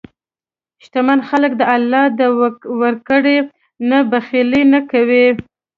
شتمن خلک د الله د ورکړې نه بخیلي نه کوي.